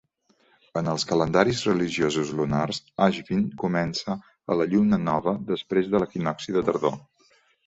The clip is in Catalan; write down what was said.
En els calendaris religiosos lunars, Ashvin comença a la lluna nova després de l'equinocci de tardor.